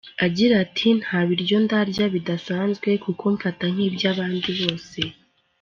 agira ati "nta biryo ndya bidasanzwe kuko mfata nk'iby'abandi bose.